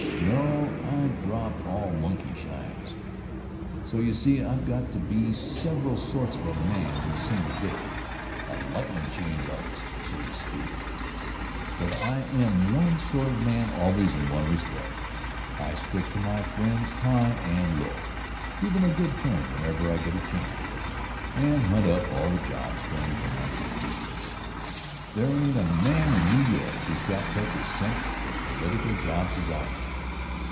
No; I drop all monkeyshines. So you see, I've got to be several sorts of a man in a single day, a lightnin' change artist, so to speak. But I am one sort of man always in one respect: I stick to my friends high and low, do them a good turn whenever I get a chance, and hunt up all the jobs going for my constituents. There ain't a man in New York who's got such a scent for political jobs as I have.